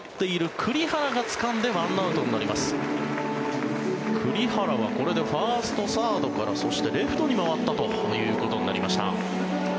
栗原はこれでファースト、サードからそしてレフトに回ったということになりました。